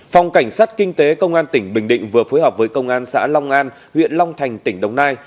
phòng cảnh sát kinh tế công an tỉnh bình định vừa phối hợp với công an xã long an huyện long thành tỉnh đồng nai